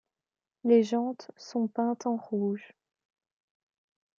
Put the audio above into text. Les jantes sont peintes en rouge.